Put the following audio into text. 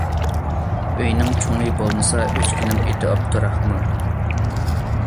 ئۆينىڭ چوڭى بولمىسا، ئۆچكىنىڭ ئېتى ئابدۇراخمان.